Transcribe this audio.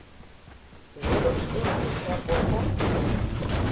Tebɣiḍ ad tedduḍ yid-s ɣer Boston?